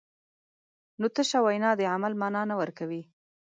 نو تشه وینا د عمل مانا نه ورکوي.